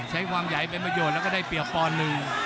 ใช้ความใหญ่เป็นประโยชน์แล้วก็ได้เปรียบปอนหนึ่ง